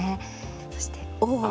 そして「大奥」